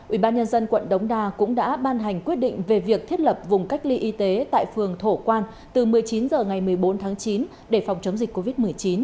ubnd quận đống đa cũng đã ban hành quyết định về việc thiết lập vùng cách ly y tế tại phường thổ quan từ một mươi chín h ngày một mươi bốn tháng chín để phòng chống dịch covid một mươi chín